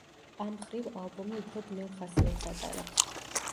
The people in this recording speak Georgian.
ამ მხრივ ალბომი უფრო ბნელ ხასიათს ატარებს.